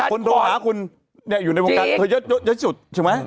โทรหาคุณอยู่ในวงการเธอเยอะสุดใช่ไหม